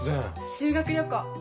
修学旅行。